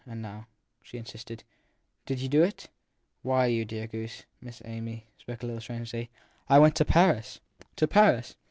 And how, she insisted, i did you do it ? Why, you dear goose, Miss Amy spoke a little strangely, I went to Paris. 1 To Paris